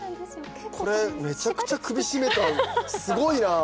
これめちゃくちゃ首絞めたすごいな。